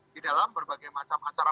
di dalam berbagai macam acara